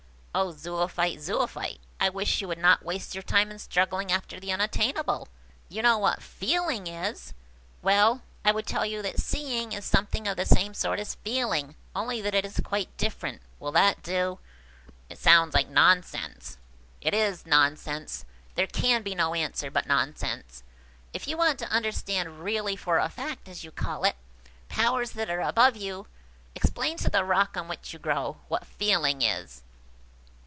"Oh, Zoophyte, Zoophyte! I wish you would not waste your time in struggling after the unattainable! You know what feeling is. Well, I would tell you that seeing is something of the same sort as feeling, only that it is quite different. Will that do?" "It sounds like nonsense." "It is nonsense. There can be no answer but nonsense, if you want to understand 'really for a fact,' as you call it, powers that are above you. Explain to the rock on which you grow, what feeling is!"